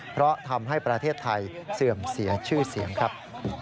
เพราะทำให้ประเทศไทยเสื่อมเสียชื่อเสียงครับ